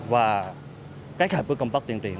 và kết hợp với công tác tuyển triển